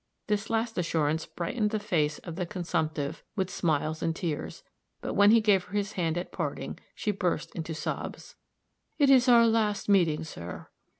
This last assurance brightened the face of the consumptive with smiles and tears; but when he gave her his hand at parting, she burst into sobs. "It is our last meeting, sir."